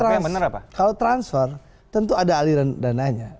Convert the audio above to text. tapi yang bener apa kalau transfer tentu ada aliran dananya